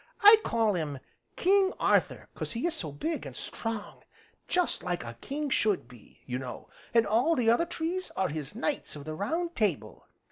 I call him 'King Arthur' 'cause he is so big, an' strong, just like a king should be, you know, an' all the other trees are his Knights of the Round Table."